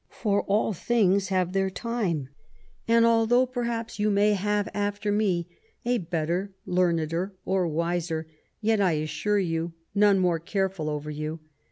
For all things have their time ; and although perhaps you may have after me a better, leameder, or wiser, yet I assure you, none more careful over you.